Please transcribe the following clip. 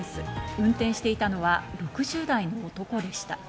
運転していたのは６０代の男でした。